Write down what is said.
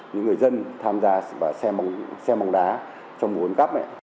những người dân tham gia xe bóng đá trong nguồn cấp này